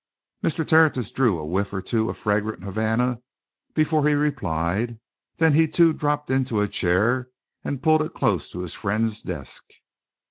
Mr. Tertius drew a whiff or two of fragrant Havana before he replied. Then he too dropped into a chair and pulled it close to his friend's desk.